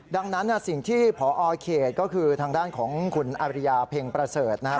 ดังนั้นสิ่งที่พอเขตก็คือทางด้านของคุณอาริยาเพ็งประเสริฐนะครับ